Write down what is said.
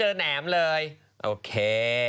เจอแหนมเลยโอเค